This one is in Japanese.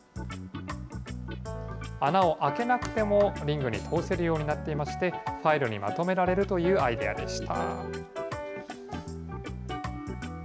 穴を開けなくても、リングに通せるようになっていまして、ファイルにまとめられるというアイデアでした。